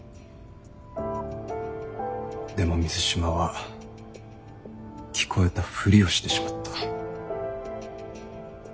でも水島は聞こえたふりをしてしまった。